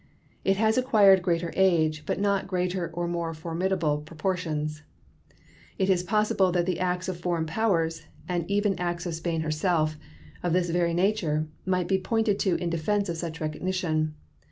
It has acquired greater age, but not greater or more formidable proportions. It is possible that the acts of foreign powers, and even acts of Spain herself, of this very nature, might be pointed to in defense of such recognition.